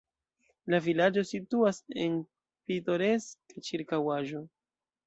La vilaĝo situas en pitoreska ĉirkaŭaĵo.